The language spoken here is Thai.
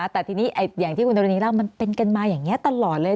แต่ทีนี้อย่างที่คุณดรณีเล่ามันเป็นกันมาอย่างนี้ตลอดเลย